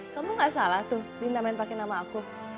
kamu gak salah tuh dina main pake nama aku